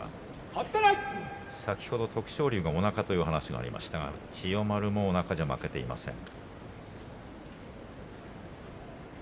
先ほど、徳勝龍のおなかという話がありましたが千代丸もおなかでは負けていません。